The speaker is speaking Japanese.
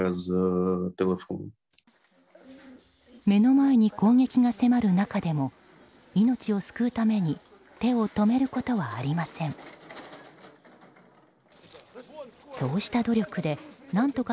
目の前に攻撃が迫る中でも命を救うために手を止めることはありません。